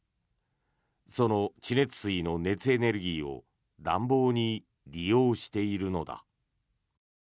その地熱水の熱エネルギーを暖房に利用しているのだ。